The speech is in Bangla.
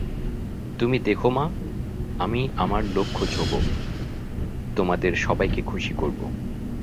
তুমি দেখো মা, আমি আমার লক্ষ্য ছোঁব, তোমাদের সবাইকে খুশি করব।